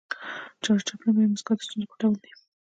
چارلي چاپلین وایي موسکا د ستونزو پټول دي.